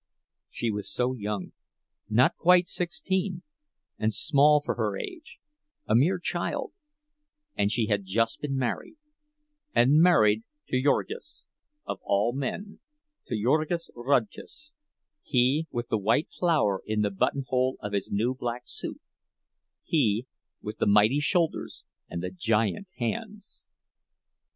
She was so young—not quite sixteen—and small for her age, a mere child; and she had just been married—and married to Jurgis, of all men, to Jurgis Rudkus, he with the white flower in the buttonhole of his new black suit, he with the mighty shoulders and the giant hands.